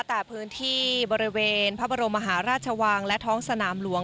แต่พื้นที่บริเวณพระบรมมหาราชวังและท้องสนามหลวง